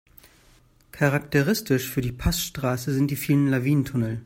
Charakteristisch für die Passstraße sind die vielen Lawinentunnel.